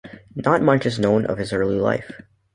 Not much is known of his early life.